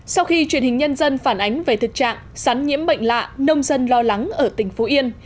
sau khi truyền hình nhân dân phản ánh về thực trạng sắn nhiễm bệnh lạ nông dân lo lắng ở tỉnh phú yên